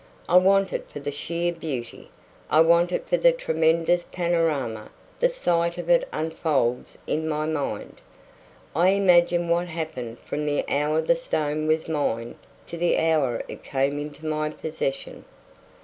I want it for the sheer beauty; I want it for the tremendous panorama the sight of it unfolds in my mind. I imagine what happened from the hour the stone was mined to the hour it came into my possession.